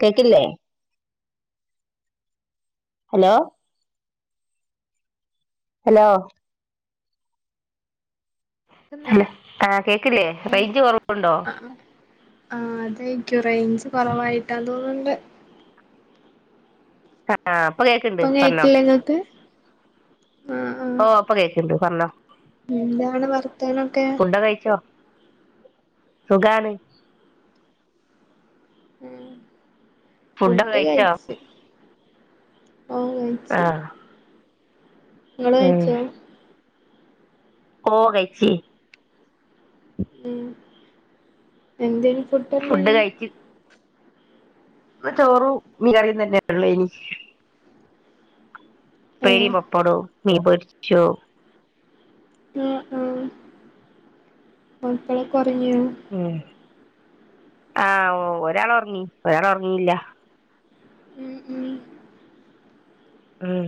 കേക്ക്ല്ലേ hello hello ആ hello ആഹ കേക്കില്ലേ റേഞ്ച് കൊറവുണ്ടോ ആ അതായിക്കും റേഞ്ച് കുറവായിട്ട തോന്ന്ണ്ട് ആഹ ഇപ്പം കേക്ക്ണ്ട് പറഞ്ഞോ കേക്കില്ലേ ഇങ്ങക്ക് ആ ആ ഓ ഇപ്പം കേക്ക്ണ്ട് പറഞ്ഞോ എന്താണ് വർത്തനൊക്കെ ഫുഡ് കഴിച്ചോ സുഖാണ് ഉം ഫുഡൊക്കെ ഫുഡ് കഴിച്ചോ കഴിച്ച് ഓ കഴി ആഹ ഇങ്ങൾ കഴിച്ചോ ഓ കഴിച്ച് ഉം എന്തെയ്നി ഫുഡ്ഡ് ഫുഡ് എന്തേനി ഇന്ന് ചോറും മീൻ കറിം തന്നെ ഒള്ളെയ്നി ഏ ഉപ്പേരി പപ്പടും മീൻ പൊരിച്ചോ ആഹ ആഹ മക്കളൊക്കെ ഒറങ്ങിയോ ഉം ആഹ ഒ ഒരാൾ ഒറങ്ങി ഒരാൾ ഒറങ്ങിയില്ല ഉം ഉം ഉം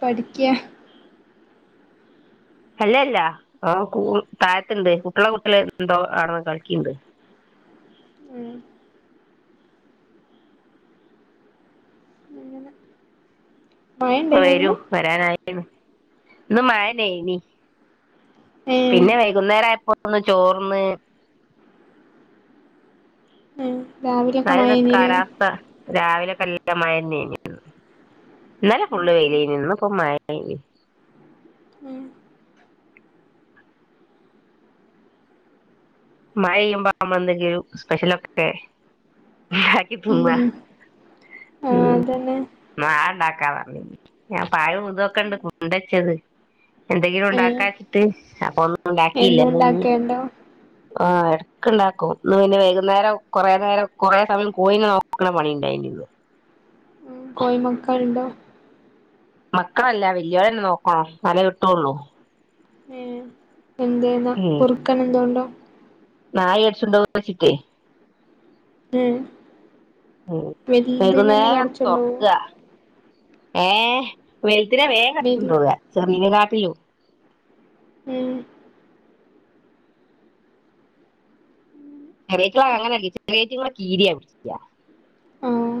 പഠിക്കാ അല്ലല്ല അവൻ താഴത്തുണ്ട് കുട്ടികളുടെ കുട്ടത്തിൽ എന്തോ ആണ് കളിക്കിണ്ട് ഉം പിന്നെ ഇപ്പ വരൂ വരാനായിക്ക്‌ണ് ഇന്ന് മഴയാണേ ഇനി ഏ പിന്നെ വൈകുന്നേരം ആയപ്പോ ഒന്ന് ചോർന്ന് ഉം രാവി - മഴ ഇന്നത്തെ കാലാവസ്ഥ രാവിലെ ക [unintelligible] മഴ തന്നെയാണ് ഇന്നലെ ഉം ഫുള്ള് ഉം വേയിലയി നിന്ന് അപ്പൊ മഴ പെയ്ത് ഉം മഴ പെയ്യുമ്പോൾ പാമന്തെ [unintelligible] ങ്കിലും സ്പെഷ്യലൊക്കെ ത്പ ഉം ആ [unintelligible] അതന്നെ നാളെ ഉണ്ടാക്കാന്ന് പറഞ് ഞാൻ പഴം ഇതൊക്കെണ്ട് കൊണ്ട് വച്ചത് എന്തെങ്കിലും ഏഹ് ഉണ്ടാക്കാവെച്ചിട്ട് അപ്പൊ ഒന്നും ഉണ്ടാക്കിയില്ല എന്നും ഇന്ന് ഇനി - ഉണ്ടാക്കേണ്ടോ ആഹ് ഇടക്ക് ഇണ്ടാക്കും ഇന്ന് പിന്നെ വൈകുന്നേരം കൊറെ നേരം കൊറെ സമയം കോഴിനെ നോക്കി നിക്കണ പണി ഉണ്ടായിന്ന് കോഴിമക്കൾ ഉണ്ടോ മക്കളല്ല വല്ല്യവരെയാണ് നോക്കണം എന്നാലേ കിട്ടുവുള്ളൂ ഉം എന്ത്‌ ഏനാ ഉം കുറുക്കൻ എന്തോ ഉണ്ടോ നായ കടിച്ചോണ്ട് പോവും എന്ന് വച്ചിട്ടേ ഉം ഉം വൈകുന്നേരം ഒന്ന് കടിച്ചോണ്ടോവോ തൊറക്കുക ഏയ് വെലുത്തിനെ വേഗം കടിച്ചു വല് കൊണ്ടുപോകുക ചെറിയനെ കാട്ടിലും ഉം ചെറിയറ്റുള്ള അങ്ങനെല്ല ചെറിയറ്റങ്ങളെ കീരിയാ പിടിക്കുക ആഹ്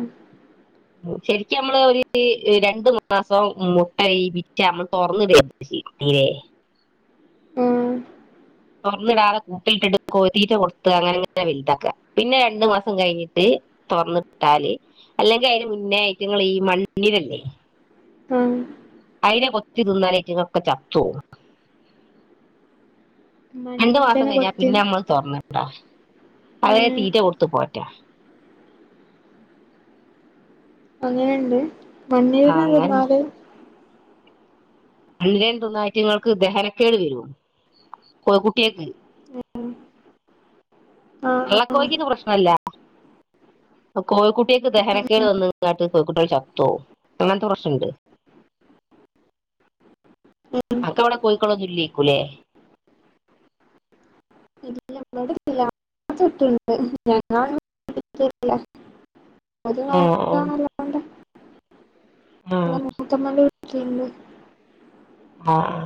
ശരിക്കും നമ്മള് ഒരു രണ്ട് മാസം മുട്ട വിരിച്ച നമ്മള് തുറന്നട [unintelligible] േ [unintelligible] ഉം തൊറന്നിടാതെ കൂട്ടിയിട്ടിട്ട് കൊത്തീറ്റ കൊടുത്ത് അങ്ങനെ ഇങ്ങനെ വലുതാക്കുക പിന്നെ രണ്ടു മാസം കഴിഞ്ഞിട്ട് തൊറന്ന് വിട്ടാല് അല്ലെങ്കിൽ അതിന് മുന്നേ ഇതിങ്ങള് ഈ മണ്ണിലല്ലേ ആഹ് അയിനെ കൊത്തി തിന്നാനായിട്ട് ഇതൊക്കെ ചത്തു പോകും രണ്ടു മാസം മണ്ണീരനെ കഴിഞ്ഞാ കൊത്തി പിന്നെ നമ്മള് തൊറന്നു വിട്ടോ അവരെ ഏഹ് തീറ്റ കൊടുത്തു പോറ്റാ അങ്ങനെ തന്നെ മണ്ണിര എന്ന് അങ്ങനെ പറഞ്ഞാല് കണ്ില ൊ [unintelligible] ന്നാറ്റങ്ങൾക്ക് ദഹനക്കേട് വരോ കുട്ടിയക്ക് ഉം [unintelligible] ആ കോയിക്ക് ഇത് പ്രശ്നമല്ല കോഴിക്കുട്ടിക്ക് ദഹനക്കേട് വന്നങ്ങാട്ട് കോഴിക്കുട്ടികള് ചത്തോ അങ്ങനത്തെ പ്രശ്നം ഉണ്ട് അനക്ക് അവിടെ കോയിക്കോളൊന്നും ഇല്ലേക്കൂലേ ഞങ്ങടെ അടുത്ത് ഇല്ല അപ്പുറത്തെ വീട്ടില് ഒണ്ട് [unintelligible] ഒരു ആ നോക്കാ ആ നൂറ്റ [unintelligible] പിന്നെ ആ [unintelligible]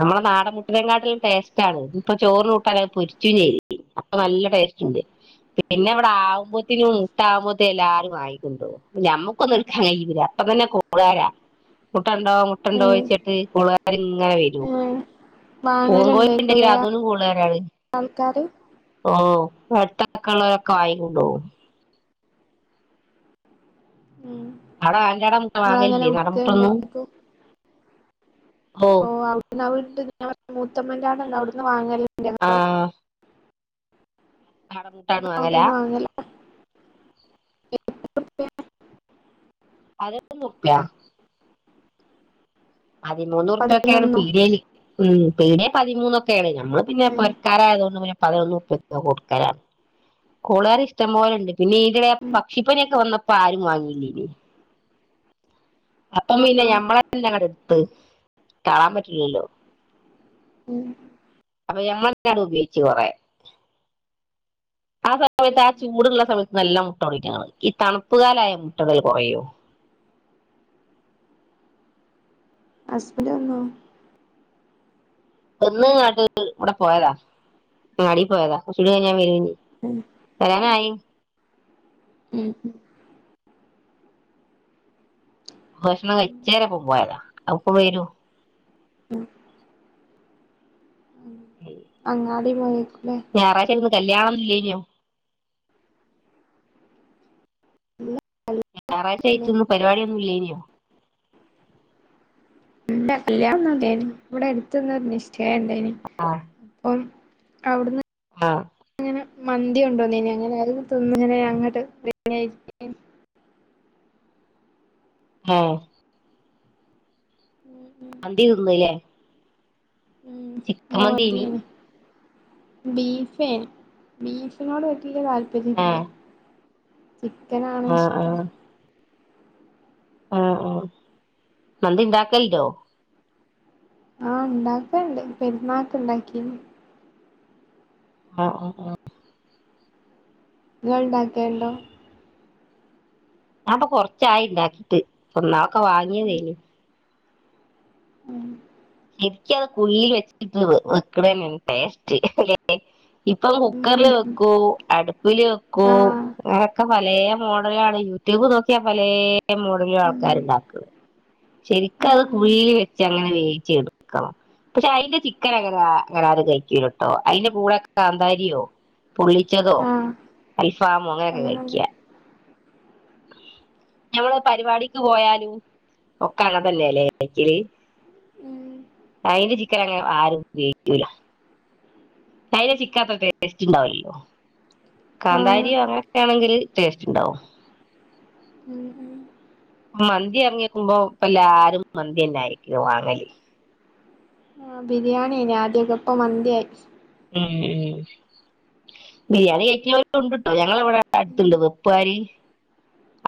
നമ്മളെ നാടൻ മുട്ടിലെങ്ങാട്ടിലും ടേസ്റ്റ് ആണ് ഇപ്പൊ ചോറ് കൂട്ടാ അത് പൊരിച്ചുകയും ചെയ്തു അപ്പൊ നല്ല ടേസ്റ്റ് ഉണ്ട് പിന്നെ ഇവിടെ ആവുമ്പോത്തിനും മുട്ടാവുമ്പോത്തേ എല്ലാരും വാങ്ങി കൊണ്ടോവും ഞമ്മക്കൊന്നും ഇട്ക്കാൻ കയ്യൂല്ല അപ്പ തന്നെ കോളാരാ മുട്ടണ്ടോ മു ഏഹ് ട്ടണ്ടോയ്ച്ചിട്ട് കോളാര് ഇങ്ങനെ വെരും ഉം പൂവൻ കോഴി ഇണ്ടെങ്കി വാങ്ങലുണ്ടായിക്കൂലേ അതിനും കോളാരാണ് ആൾക്കാര് ഓഹ് വട്ടക്കളറൊക്കെ [unintelligible] ഉം അവ്ട ഓന്റോടെ മുട്ട നിങ്ങളങ്ങനെ വാങ്ങലില്ലേ നാടമുട്ടൊന്നും വിക്കലുണ്ടായിരിക്കും ഓഹ് പിന്ന [unintelligible] മൂത്തമ്മന്റോടെണ് അവിടുന്ന് വാങ്ങ ആഹ് കാടമുട്ട അവ്ട്ന്ന് വാങ്ങല അവിടെന്ന് വാങ്ങലാ അതേത് മുട്ട പതിമൂന്ന് ഉർപ്പ്യക്കെയാണ് പതിനൊന്നോ പീഡ്യേല് ഉം പീഡ്യേ പതിമൂന്നൊക്കേണ് ഞമ്മള് പിന്നെ പോ ഉം രകാരായതോണ്ട് പിന്നെ പതിനൊന്ന് ഉർപ്പ്യക്ക് ഞാ കൊടുക്കലാണ്. കോള് കാര് ഇഷ്ടം പോലെണ്ട് പിന്നെ ഈതിടെ ഉം പക്ഷിപ്പനിയൊ ക്കവന്നപ്പോ ആരും വാങ്ങില്ലെയ്നിം അപ്പം പിന്നെ ആഹ് ഞമ്മളെന്നെ അങ്ങട്ട് ഇട് കാണാൻ പറ്റില്ലല്ലോ ഉം അപ്പൊ ഞങ്ങെളെന്നെണ് ഉപയോഗിച്ചു കൊറേ ആ സമയത്ത് ആ ചൂടുള്ള സമയത്ത് നല്ല മുട്ടടും ഇറ്റങ്ങള് ഈ തണുപ്പുകാലായ മുട്ടടല് കൊറയും ഹസ്ബൻഡ് വന്നോ വന്ന് ങ്ങാണ്ട് ഇവിടെ പോയതാ അങ്ങാടി പോയതാ കൊറച്ചും കൂടി കഴിഞ്ഞ വെരും ചെയ്യും ഉം വരാനായി ഉം ഉം ഭഷണം കഴിച്ചേരപ്പം പോയതാ അപ്പൊപ്പവെരും ഉം ഉം അങ്ങാടി [unintelligible] ലെ ഞായറഴ്ച [unintelligible] കല്യാണൊന്നും ഇല്ലേയിനൊ ഞായറാഴ്ച ആയിറ്റ് ഇന്ന് പരിപവാടിയൊന്നും ഇല്ലേയ്നോ ഇല്ല കല്യാണൊന്നും ഇല്ലേയ്നിം ഇവിടെ എടുത്ത് ഇന്നൊരു നിശ്ചയ ഇണ്ടേയ്നി ആഹ് അപ്പം അവിടുന്ന് ആഹ് അങ്ങനെ മന്തി കൊണ്ടൊന്നീനിം അങ്ങനെ അത് തിന്ന് ഇങ്ങനെ അങ്ങട്ട് [unintelligible] ആഹ് ഉം ഉം മന്തി തിന്ന് ലെ ഉം ഇന്ന് മന്തി ആയിനിം ബീഫെ ബീഫിനോട് വെല്ല്യാ ആ താല്പര്യല്ല ചിക്കനാണ് ആ ഇഷ്ടം ആഹ് ആഹ് മന്തി ഇണ്ടാക്കൽ ഇണ്ടോ? ആഹ് ഇണ്ടാക്കണ്ട് പെരുന്നാക്ക് ഇണ്ടാക്കിനിം ആഹ് ആ ആ ഇങ്ങള് ഇണ്ടാക്കെൽണ്ടോ? ഞാപ്പൊ കൊറച്ചായി ഇണ്ടാക്കിറ്റ് ഇപ്പൊ ഇന്നാളൊക്കെ വാങ്ങിയതേയ്നി ഉം [unintelligible] ടെസ്റ്റ് ഇപ്പ അത് കുക്കർല് ഉം ഉം വെക്കൂ അട് പ്പില് വെക്കൂ ആഹ് അങ്ങനോക്കെ പലെ മോഡലാണ് യൂട്യൂബ് നോക്കിയാ പലെ ലെ മോഡല് ഉം ആൾക്കാര് ഇണ്ടാക്കുന്ന് ശരിക്ക ഉം അത് ഉം കുയീല് വെച്ച് അങ്ങനെ വേവിച്ച് എടുക്കണം പക്ഷെ അയിന്റ ചിക്കന അങ്ങന അങ്ങന ആരും കഴിക്കൂല ട്ടോ അഴിന്റെ കൂടെ കാന്താരിയോ പൊള്ളിച്ചതോ ആഹ് അൽഫാമോ അങ്ങനെയൊക്കെ അങ്ങനെണ്ട് കഴിക്ക്യാ ഞമ്മള് പരിവാടിക്ക് പോയാലും ഒക്ക അങ്ങൻ തന്നെ ലെ കഴിക്കല്. ഉം അയിന്റെ ചിക്കന് അങ്ങനെ ആരും ഉപയോഗിക്കൂല അയിന്റെ ചിക്ക അത്ര ടേസ്റ്റ് ഇണ്ടാവുലല്ലോ ആഹ് കാന്താരിയോ അങ്ങനെക്കെ ആണെങ്കില് ടേസ്റ്റ് ഇണ്ടാവും ഉം ഉം മന്തി എർങ്ങിക്കുമ്പോ ഇപ്പ എല്ലാരും മന്തിയന്നെ ആയിരിക്യോ വാങ്ങല് ആ ബിരിയാണി എനി ആദ്യക്കെ ഇപ്പം മന്തി ആയി ഉം ഉം ബിരിയാണി കഴിക്ക്ണോലും ഉണ്ട് ട്ടോ ഞങ്ങള ഇവട അട്ത്ത്ണ്ട് ഉം വെ വെപ്പ് കാരി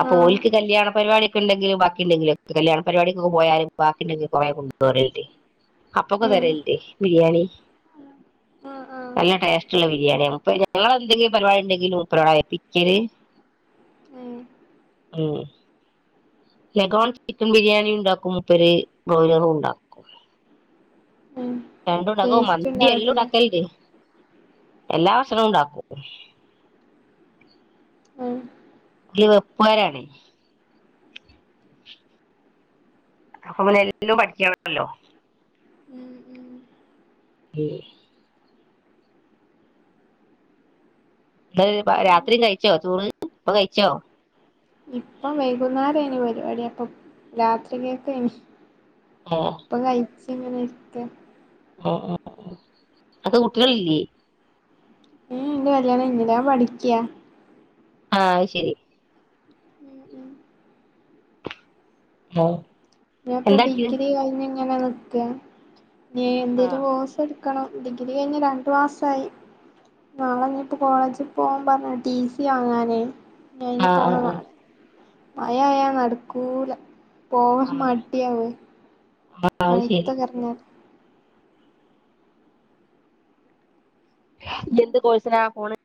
അപ്പൊ ആഹ് ഓൽക്ക് കല്യാണ പരിവാടി ല്ലേങ്കിലും ബാക്കി ഇണ്ടെങ്കിലും കല്യാണ പരിവാടികൊക്കെ പോയാല് ബാക്കി ഇണ്ടെങ്കി കോറെ കൊണ്ട് വരല്ണ്ട് അപ്പൊക്ക തരൽണ്ട് ബിരിയാണി ഉം. ആഹ് ആഹ് നല്ല ടേസ്റ്റ് ഇള്ള ബിരിയാണിയാ മൂപ്പര് ഞങ്ങളെന്തങ്കിം പരിവാടി ഇണ്ടെങ്കി മൂപ്പരോടാ ഏൽപ്പിക്ക്യല് ഉം ഉം ലഗോൺ ചിക്കൻ ബിരിയാണി ഇണ്ടാക്കും മുപ്പര് ബ്രോയിലറും ഉണ്ടാ ഉം രണ്ടും ഇണ്ടാക്കും ടേസ്റ്റ് മന്തി എല്ലു ഇണ്ടാവതില്ലേ ഇണ്ടാക്കല് ഇണ്ട് എല്ലാ ഭക്ഷണവും ഇണ്ടാക്കും ഉം ഇ വെപ്പുകാരാണ് അപ്പ നമ്മള് എല്ലും പഠിക്ക്യണല്ലോ ഉം ഉം ഈ പ്പ് രാത്രി കഴിച്ചോ ചോറ് ഇപ്പ കഴിച്ചോ ഇപ്പം വൈകുന്നാരെനി പരിവാടി അപ്പം. രാത്രികെക്കെൻ ഉം ഇപ്പ കഴിച്ചി ഇങ്ങനെ ഇരിക്ക ഉം ഉം അപ്പ കുട്ടികൾല്ല്യെ ഉം ഉം ഇന്റെ കല്യാണം കഴിഞീല്ല ഞാൻ പഠിക്ക്യാ ആ അത് ശെരി [unintelligible] ഞാപ്പ എന്താക്കി ഡിഗ്രി കഴിഞ് ഇങ്ങനെ നിക്കാ ഇഞ് ആഹ് എന്തേലും കൊഴ്സ്. ഇട്ക്കാണം ഡിഗ്രി കഴിഞ്ഞ് രണ്ട് മാസായി നാളെ ഞ്ഞിപ്പോ കോളേജ് പോവാം പർഞ്ണ് ടി സി വങ്ങാനേ ഇഞ് അയിന് ആഹ് ആഹ് പോണം ആഹ് നാളെ മഴ ആയാ നടക്കൂല പോ മടിയാവ് അ മഴതൊക്കെ എർങ്ങാൻ. ഇനി എന്ത് കോഴ്സിനാ പോണെ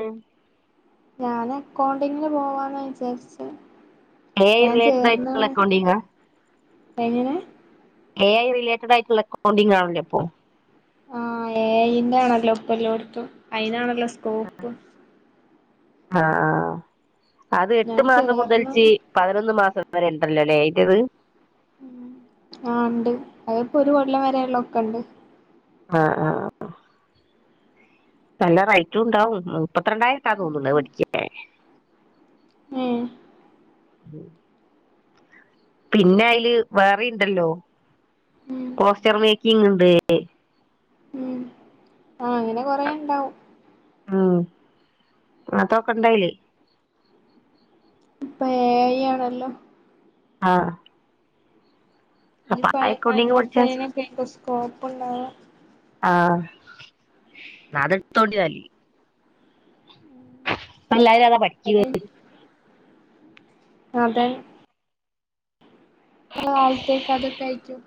ഞാന് അക്കൗണ്ടിങ്ങിന് പോവാന്നാ വിചാരിച്ചെ എ ഐ ഞാൻ റിലേറ്റഡ് ആയിട്ടുള്ള ചേർന്നാണ് അക്കൗണ്ടിംങ്ങ് എങ്ങനെ എ ഐ റിലേറ്റഡ് ആയിട്ടുള്ള അക്കൗണ്ടിംഗ് ആണല്ലോ ഇപ്പോ ആഹ് എ അയ് യിന്റെ ആണല്ലോപ്പല്ലോടത്തും അയിനാണല്ലോ സ്കോപ്പും ആഹ് ആഹ്‌ അഹ് അത് എട്ട് ഞാൻ മാസം ചേർന്ന് മുതൽച്ച് പതിനൊന്ന് മാസം വരെ ഇണ്ടല്ലോല്ലേ ഏയ്ന്റേത് ഉം ആഹ് ഉണ്ട് അതിപ്പോ ഒരു കൊല്ലം വരെള്ളൊക്കെണ്ട് ആഹ് ആഹ് നല്ല റൈറ്റും ഉണ്ടാവും മുപ്പത്രണ്ടായിരട്ടാ തോന്നണെ പഠിക്കാൻ ല്ലെ ഉം ഉം. പിന്നെ അയില് വേറെ ഇണ്ടല്ലോ ഉം പോസ്റ്റർ മേക്കിങ് ഇണ്ട് ആഹ് അങ്ങനെ കൊറെ ഉണ്ടാവും ഉം അതൊക്കെ ഇണ്ടയില് ഇപ്പം ഏ അയ് ആണല്ലോ ആഹ് അപ്പൊ ആ ഇനിപ്പയ് അക്കൗണ്ടിങ് പഠിച്ച അങ്ങത്തെനൊക്കെയ്ക്കും സ്കോപ്പുണ്ടാവാ ആഹ് ന അത് എത്തോണ്ടില് പ്പെല്ലരും അതാ പഠി [unintelligible] അതെ ഇനിയുള്ള കാലത്തേക്ക് അതൊക്കെ ആയിരിക്കും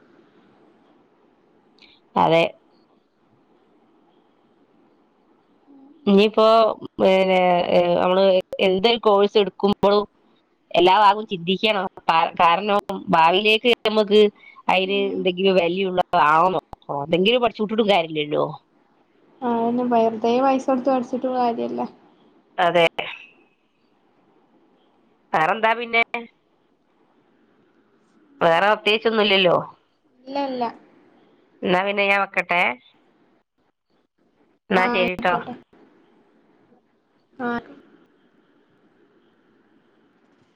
അതെ ഇനിയിപ്പോ ഏഹ് അമ്മള് എന്ത്‌ കോഴ്സ് എടുക്കുമ്പഴും എല്ലാ ഭാഗും ചിന്തിക്കണം കാ കാരണം ഭാവിലേക്ക് നമക്ക് അതില് ഉം എന്തെങ്കിലും വാല്യൂള്ളത ആവണോ എന്തെങ്കിലും പഠിച്ചൂട്ടിട്ടും കാര്യല്ലല്ലോ അതൊന്നും വെറുതെ പൈസ കൊടുത്ത് പഠിച്ചിട്ടും കാര്യല്ല അതെ വേറെന്താ പിന്നെ വേറെ പ്രത്യേകിച്ച് ഒന്നുല്ലല്ലോ ഇല്ല ഇല്ല എന്നാ പിന്നെ ഞാൻ വെക്കട്ടെ. എന്നാ ആ ശെരിട്ടോ ആയിക്കോട്ടെ ആഹ്